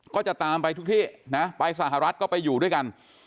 ก็จะตามไปทุกที่นะไปสหรัฐก็ไปอยู่ด้วยกัน